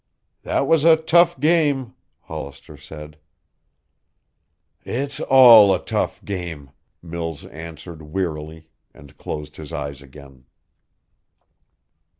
"That was a tough game," Hollister said. "It's all a tough game," Mills answered wearily and closed his eyes again.